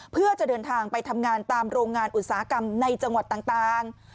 เพื่อจะเดินทางไปทำงานตามโรงงานอุตสาหกรรมในจังหวัดต่าง